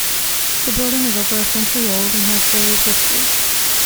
The building is over a century old and has a varied history.